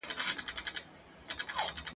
ده په ژوند داسي دانه نه وه لیدلې !.